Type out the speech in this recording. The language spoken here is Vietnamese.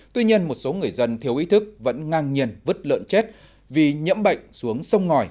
tuy nhiên một số người dân thiếu ý thức vẫn ngang nhiên vứt lợn chết vì nhiễm bệnh xuống sông ngòi